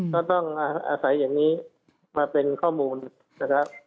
ก็ต้องอาศัยอย่างนี้มาเป็นข้อมูลนะครับ